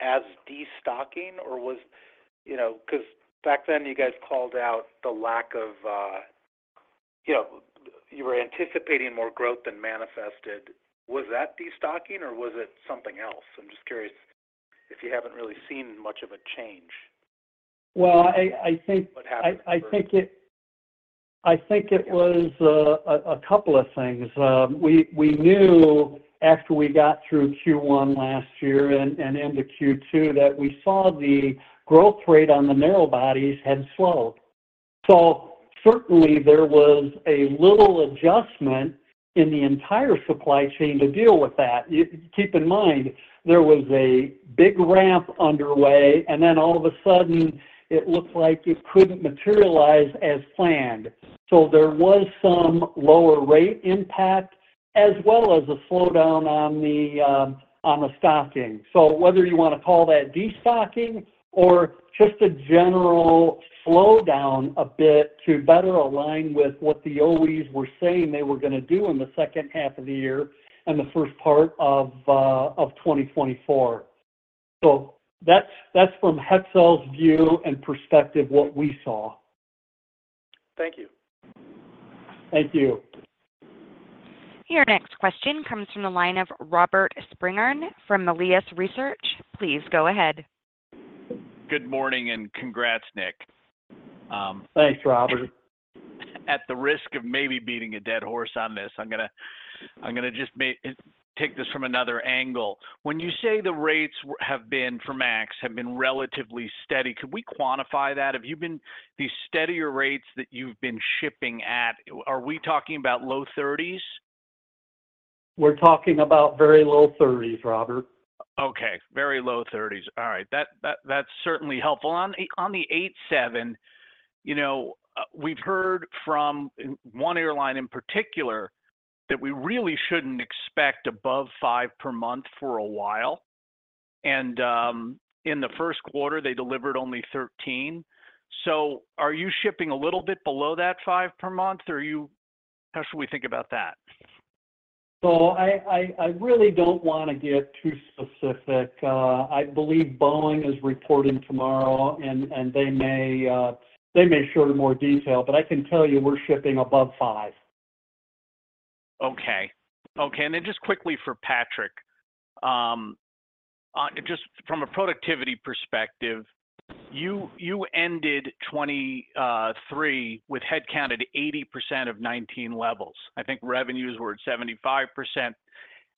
as destocking, or was because back then, you guys called out the lack of you were anticipating more growth than manifested. Was that destocking, or was it something else? I'm just curious if you haven't really seen much of a change what happened in Q4. Well, I think it was a couple of things. We knew after we got through Q1 last year and into Q2 that we saw the growth rate on the narrow bodies had slowed. So certainly, there was a little adjustment in the entire supply chain to deal with that. Keep in mind, there was a big ramp underway, and then all of a sudden, it looked like it couldn't materialize as planned. So there was some lower rate impact as well as a slowdown on the stocking. So whether you want to call that destocking or just a general slowdown a bit to better align with what the OEs were saying they were going to do in the second half of the year and the first part of 2024. So that's from Hexcel's view and perspective, what we saw. Thank you. Thank you. Your next question comes from the line of Robert Spingarn from Melius Research. Please go ahead. Good morning and congrats, Nick. Thanks, Robert. At the risk of maybe beating a dead horse on this, I'm going to just take this from another angle. When you say the rates have been for MAX have been relatively steady, could we quantify that? Have you been these steadier rates that you've been shipping at, are we talking about low 30s? We're talking about very low 30s, Robert. Okay. Very low 30s. All right. That's certainly helpful. On the 87, we've heard from one airline in particular that we really shouldn't expect above 5 per month for a while. And in the first quarter, they delivered only 13. So are you shipping a little bit below that 5 per month, or how should we think about that? I really don't want to get too specific. I believe Boeing is reporting tomorrow, and they may show more detail. I can tell you we're shipping above 5. Okay. Okay. And then just quickly for Patrick, just from a productivity perspective, you ended 2023 with headcount at 80% of 2019 levels. I think revenues were at 75%,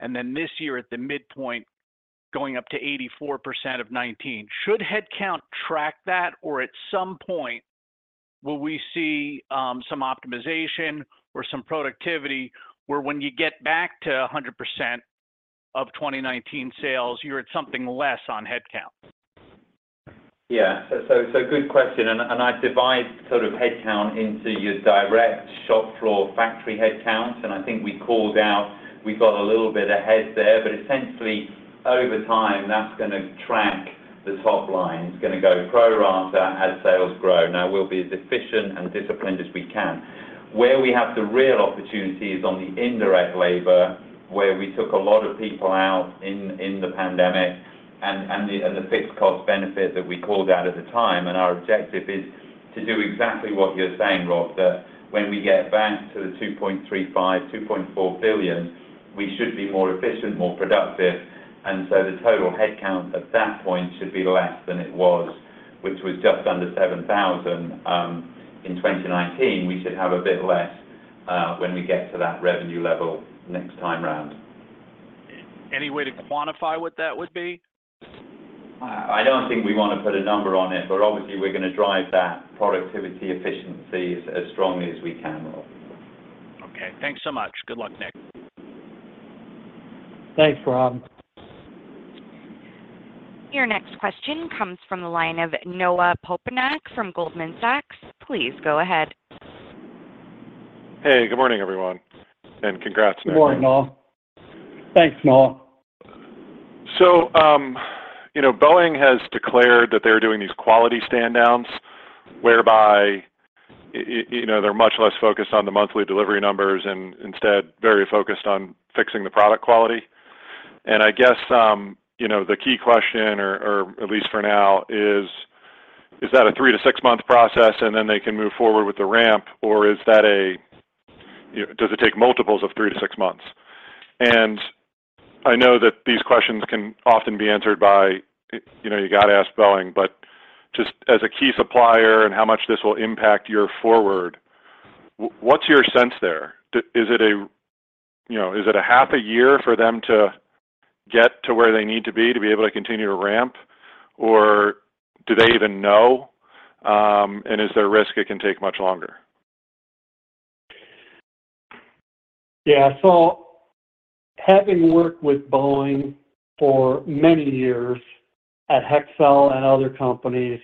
and then this year at the midpoint, going up to 84% of 2019. Should headcount track that, or at some point, will we see some optimization or some productivity where when you get back to 100% of 2019 sales, you're at something less on headcount? Yeah. So good question. And I divide sort of headcount into your direct shop floor factory headcounts. And I think we called out we got a little bit ahead there. But essentially, over time, that's going to track the top line. It's going to go pro rata as sales grow. Now, we'll be as efficient and disciplined as we can. Where we have the real opportunity is on the indirect labor, where we took a lot of people out in the pandemic and the fixed cost benefit that we called out at the time. And our objective is to do exactly what you're saying, Rob, that when we get back to the $2.35 billion-$2.4 billion, we should be more efficient, more productive. And so the total headcount at that point should be less than it was, which was just under 7,000 in 2019. We should have a bit less when we get to that revenue level next time around. Any way to quantify what that would be? I don't think we want to put a number on it, but obviously, we're going to drive that productivity efficiency as strongly as we can, Rob. Okay. Thanks so much. Good luck, Nick. Thanks, Robin. Your next question comes from the line of Noah Poponak from Goldman Sachs. Please go ahead. Hey. Good morning, everyone, and congrats, Nick. Good morning, Noah. Thanks, Noah. So Boeing has declared that they're doing these quality standdowns whereby they're much less focused on the monthly delivery numbers and instead very focused on fixing the product quality. And I guess the key question, or at least for now, is, is that a 3-6-month process, and then they can move forward with the ramp, or is that a does it take multiples of 3-6 months? And I know that these questions can often be answered by, "You got to ask Boeing." But just as a key supplier and how much this will impact your forward, what's your sense there? Is it a half a year for them to get to where they need to be to be able to continue to ramp, or do they even know, and is there a risk it can take much longer? Yeah. So having worked with Boeing for many years at Hexcel and other companies,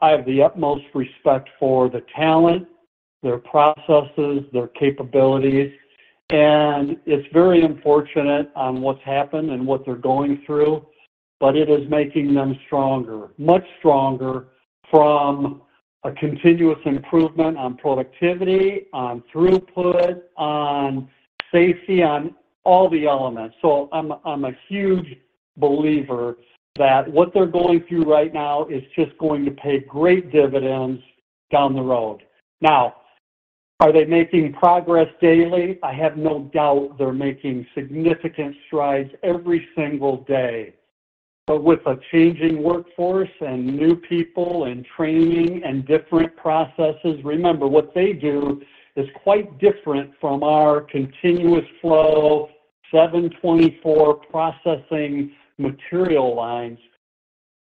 I have the utmost respect for the talent, their processes, their capabilities. And it's very unfortunate on what's happened and what they're going through, but it is making them stronger, much stronger from a continuous improvement on productivity, on throughput, on safety, on all the elements. So I'm a huge believer that what they're going through right now is just going to pay great dividends down the road. Now, are they making progress daily? I have no doubt they're making significant strides every single day. But with a changing workforce and new people and training and different processes, remember, what they do is quite different from our continuous flow 7/24 processing material lines.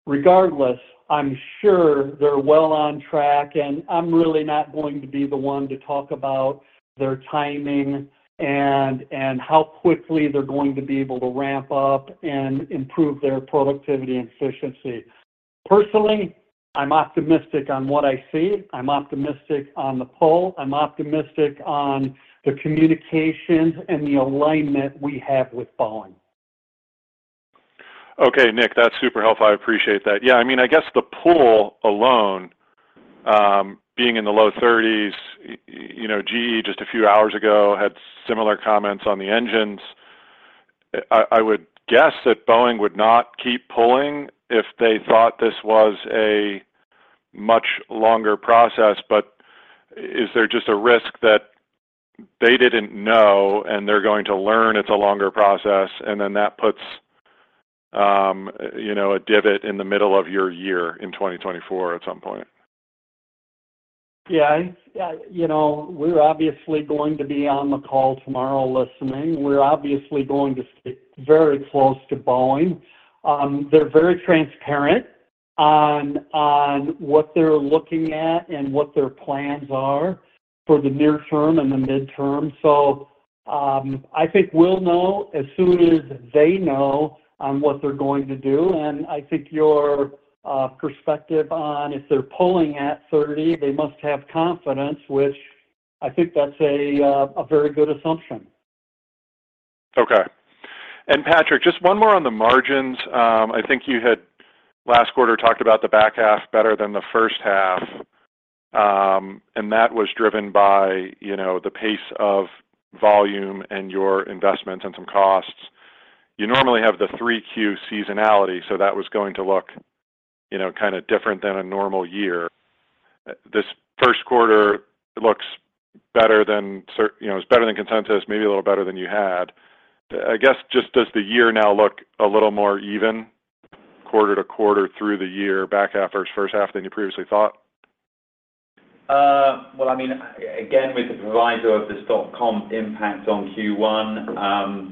Regardless, I'm sure they're well on track, and I'm really not going to be the one to talk about their timing and how quickly they're going to be able to ramp up and improve their productivity and efficiency. Personally, I'm optimistic on what I see. I'm optimistic on the pull. I'm optimistic on the communications and the alignment we have with Boeing. Okay, Nick. That's super helpful. I appreciate that. Yeah. I mean, I guess the pull alone, being in the low 30s, GE just a few hours ago had similar comments on the engines. I would guess that Boeing would not keep pulling if they thought this was a much longer process. But is there just a risk that they didn't know, and they're going to learn it's a longer process, and then that puts a divot in the middle of your year in 2024 at some point? Yeah. We're obviously going to be on the call tomorrow listening. We're obviously going to stick very close to Boeing. They're very transparent on what they're looking at and what their plans are for the near term and the mid term. So I think we'll know as soon as they know on what they're going to do. And I think your perspective on if they're pulling at 30, they must have confidence, which I think that's a very good assumption. Okay. And Patrick, just one more on the margins. I think you had last quarter talked about the back half better than the first half, and that was driven by the pace of volume and your investments and some costs. You normally have the 3Q seasonality, so that was going to look kind of different than a normal year. This first quarter looks better than it was better than consensus, maybe a little better than you had. I guess just does the year now look a little more even quarter to quarter through the year, back half versus first half than you previously thought? Well, I mean, again, with the pro forma stock comp impact on Q1,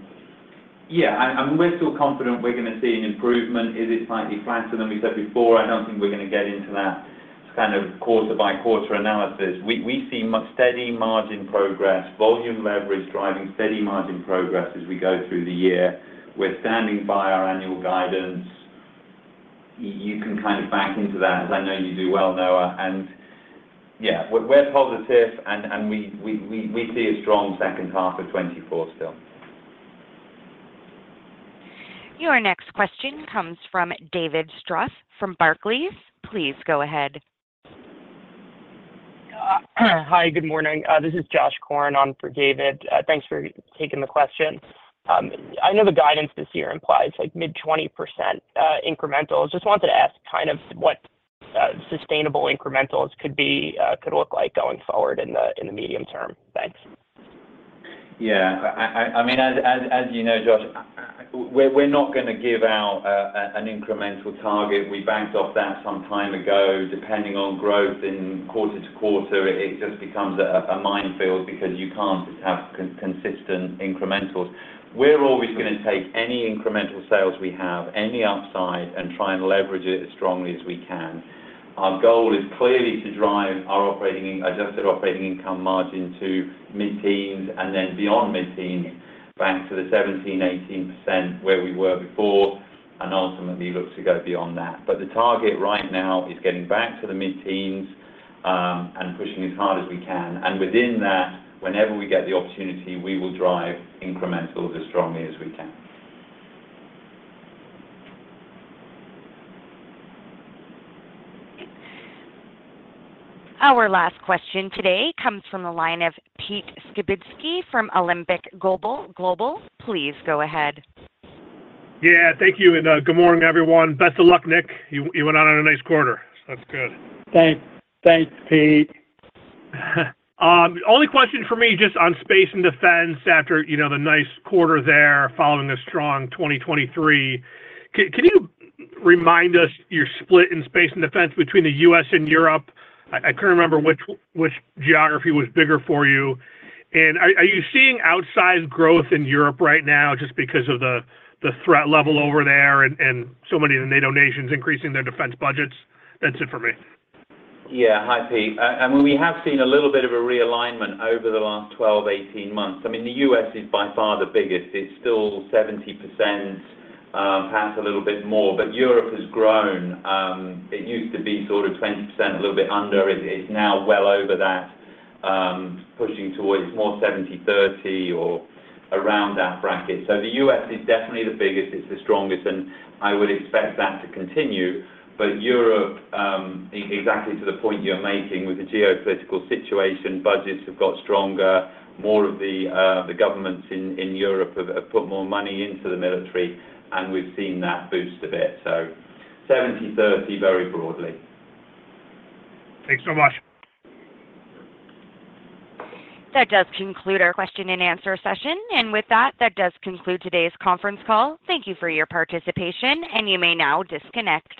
yeah, I mean, we're still confident we're going to see an improvement. Is it slightly flatter than we said before? I don't think we're going to get into that kind of quarter-by-quarter analysis. We see much steady margin progress, volume leverage driving steady margin progress as we go through the year. We're standing by our annual guidance. You can kind of back into that, as I know you do well, Noah. And yeah, we're positive, and we see a strong second half of 2024 still. Your next question comes from David Strauss from Barclays. Please go ahead. Hi. Good morning. This is Josh Korn for David. Thanks for taking the question. I know the guidance this year implies mid-20% incrementals. Just wanted to ask kind of what sustainable incrementals could look like going forward in the medium term. Thanks. Yeah. I mean, as you know, Josh, we're not going to give out an incremental target. We banked off that some time ago. Depending on growth in quarter to quarter, it just becomes a minefield because you can't just have consistent incrementals. We're always going to take any incremental sales we have, any upside, and try and leverage it as strongly as we can. Our goal is clearly to drive our adjusted operating income margin to mid-teens and then beyond mid-teens back to the 17%-18% where we were before and ultimately look to go beyond that. But the target right now is getting back to the mid-teens and pushing as hard as we can. And within that, whenever we get the opportunity, we will drive incrementals as strongly as we can. Our last question today comes from the line of Peter Skibitski from Alembic Global. Alembic, please go ahead. Yeah. Thank you. Good morning, everyone. Best of luck, Nick. You went out on a nice quarter. That's good. Thanks. Thanks, Pete. The only question for me just on Space and Defense after the nice quarter there following a strong 2023, can you remind us your split in Space and Defense between the U.S. and Europe? I couldn't remember which geography was bigger for you. And are you seeing outsized growth in Europe right now just because of the threat level over there and so many of the NATO nations increasing their defense budgets? That's it for me. Yeah. Hi, Pete. I mean, we have seen a little bit of a realignment over the last 12-18 months. I mean, the U.S. is by far the biggest. It's still 70%, perhaps a little bit more. But Europe has grown. It used to be sort of 20%, a little bit under. It's now well over that, pushing towards more 70-30, or around that bracket. So the U.S. is definitely the biggest. It's the strongest. And I would expect that to continue. But Europe, exactly to the point you're making with the geopolitical situation, budgets have got stronger. More of the governments in Europe have put more money into the military, and we've seen that boost a bit. So 70-30 very broadly. Thanks so much. That does conclude our question-and-answer session. And with that, that does conclude today's conference call. Thank you for your participation, and you may now disconnect.